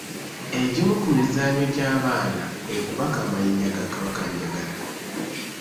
Egimu ku mizannyo gy'abaana kwe kubaka amayinja ga kabakanjagala.